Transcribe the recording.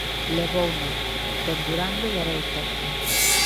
Levouna, pendurando dereita.